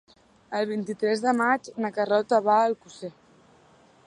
El vint-i-tres de maig na Carlota va a Alcosser.